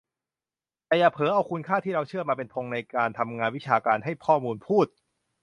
แต่อย่าเผลอเอาคุณค่าที่เราเชื่อมาเป็นธงในการทำงานวิชาการ ให้ข้อมูลพูด